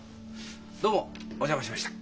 どうもお邪魔しました。